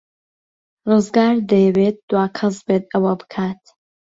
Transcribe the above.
ڕزگار دەیەوێت دوا کەس بێت ئەوە بکات.